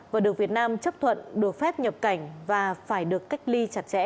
và được việt nam chấp thuận được phép nhập cảnh và phải được cách ly chặt chẽ